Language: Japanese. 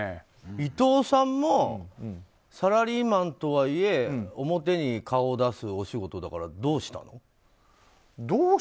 伊藤さんもサラリーマンとはいえ表に顔を出すお仕事だからどうしたの？